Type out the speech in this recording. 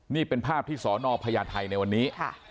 นี่เป็นภาพที่สอนอพญาไทยในวันนี้